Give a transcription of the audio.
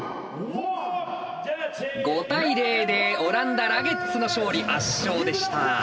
５対０でオランダラゲッズの勝利圧勝でした。